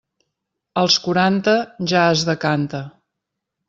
Als quaranta, ja es decanta.